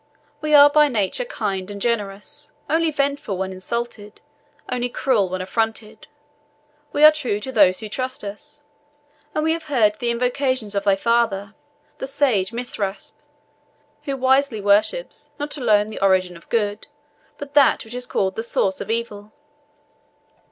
We are by nature kind and generous; only vengeful when insulted, only cruel when affronted. We are true to those who trust us; and we have heard the invocations of thy father, the sage Mithrasp, who wisely worships not alone the Origin of Good, but that which is called the Source of Evil.